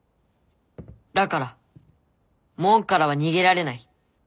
だから門からは逃げられない。